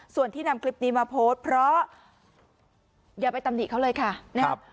ส่วนที่นำคลิปนี้มาโพสต์เพราะอย่าไปตำหนิเขาเลยค่ะนะครับ